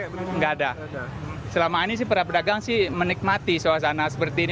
nggak ada nggak ada selama ini sih para pedagang sih menikmati suasana seperti ini